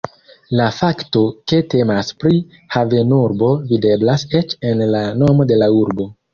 La fakto ke temas pri havenurbo videblas eĉ en la nomo de la urbo.